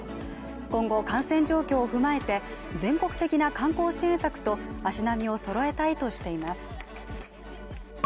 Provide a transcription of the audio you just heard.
今後感染状況を踏まえて、全国的な観光支援策と足並みを揃えたいとしています。